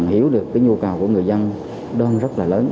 hiểu được cái nhu cầu của người dân đang rất là lớn